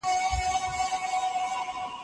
ښوونکي ماشومان د روښانه راتلونکي لپاره روزي.